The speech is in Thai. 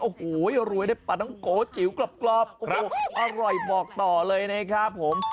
โอ้โหรวยได้ปัดน้องโก๋เจี๋อกรอบอร่อยบอกต่อเลยเลยเน้ครับผม